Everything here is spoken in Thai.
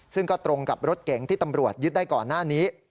ซึ่งก็ตรงกับรถเก๋งที่ตำรวจยึดได้ก่อนหน้านี้